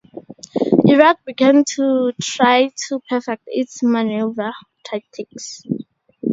Iraq began to try to perfect its maneuver tactics.